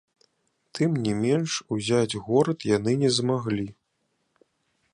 Тым не менш ўзяць горад яны не змаглі.